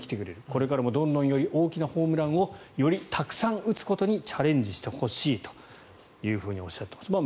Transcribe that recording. これからもどんどんより大きなホームランをよりたくさん打つことにチャレンジしてほしいというふうにおっしゃっています。